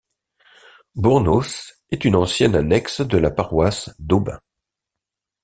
Bournos est une ancienne annexe de la paroisse d'Aubin.